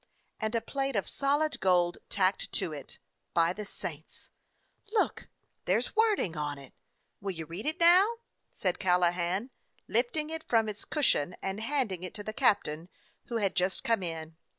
"And a plate of solid gold tacked to it, by the saints ! Look, there 's wording on it. Will you read it, now?" said Callahan, lifting it from its cushion and handing it to the cap tain, who had just come in.